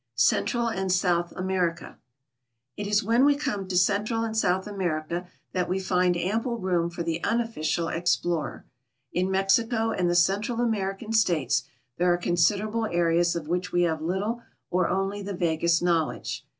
CENTRAL AND SOUTH AMKRICA It is when we come to Central and South America tiiat wc liiul ample room for the unofficial explorer. In Mexico and the Cen tral American States there are considerahle areas of which we have little or only the vaguest knowledge.